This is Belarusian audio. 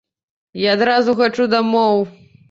Я адразу хачу дамоў!